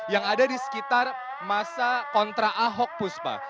yang ada di sekitar masa kontra ahok puspa